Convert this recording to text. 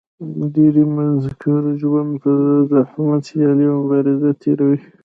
ډېری مذکر ژوند په زحمت سیالي او مبازره تېروي.